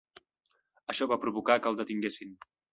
Això va provocar que el detinguessin.